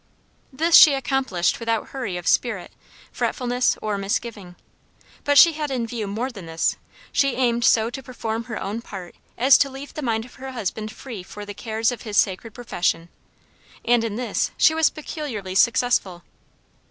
This she accomplished without hurry of spirit, fretfulness, or misgiving. But she had in view more than this: she aimed so to perform her own part as to leave the mind of her husband free for the cares of his sacred profession, and in this she was peculiarly successful.